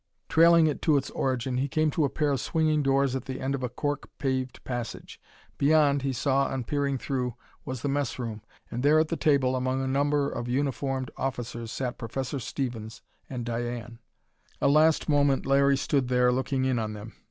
Trailing it to its origin, he came to a pair of swinging doors at the end of a cork paved passage. Beyond, he saw on peering through, was the mess room, and there at the table, among a number of uniformed officers, sat Professor Stevens and Diane. A last moment Larry stood there, looking in on them.